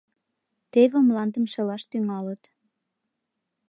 Теве мландым шелаш тӱҥалыт.